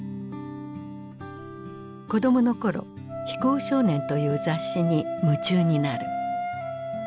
子どもの頃「飛行少年」という雑誌に夢中になる。